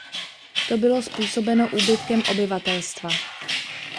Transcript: To bylo způsobeno úbytkem obyvatelstva.